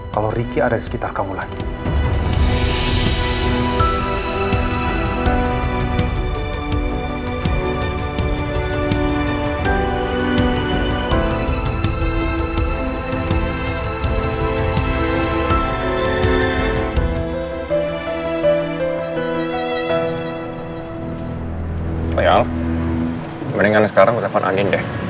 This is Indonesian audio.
kalau riki ada di sekitar kamu lagi